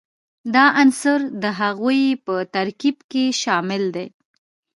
دا عنصر د هغوي په ترکیب کې شامل دي.